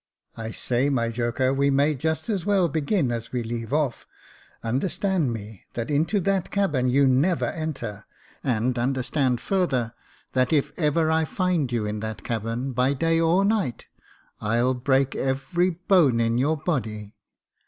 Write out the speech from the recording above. "I say, my joker, we may just as well begin as we leave off. Understand me, that into that cabin you never enter ; and understand further, that if ever I find you in that cabin by day or night, I'll break every bone in Jacob Faithful ^^ your body.